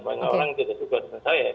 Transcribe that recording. banyak orang tidak suka dengan saya